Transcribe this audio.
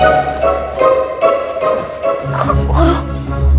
ketinggalan soal pasir berjamah di masjid